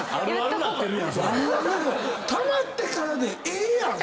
たまってからでええやん！